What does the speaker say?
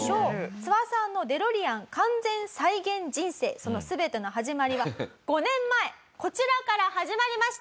ツワさんのデロリアン完全再現人生その全ての始まりは５年前こちらから始まりました。